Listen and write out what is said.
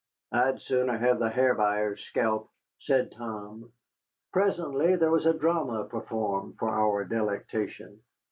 "I'd sooner hev the Ha'r Buyer's sculp," said Tom. Presently there was a drama performed for our delectation.